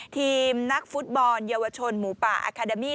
ทีมนักฟุตบอลเยาวชนหมูป่าอาคาเดมี่